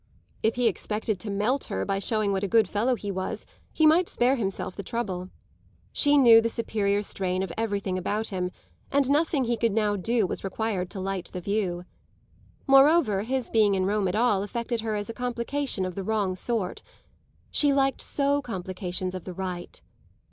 If he expected to melt her by showing what a good fellow he was, he might spare himself the trouble. She knew the superior strain of everything about him, and nothing he could now do was required to light the view. Moreover his being in Rome at all affected her as a complication of the wrong sort she liked so complications of the right.